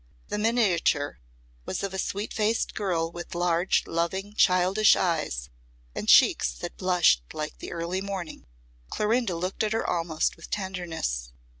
The miniature was of a sweet faced girl with large loving childish eyes, and cheeks that blushed like the early morning. Clorinda looked at her almost with tenderness.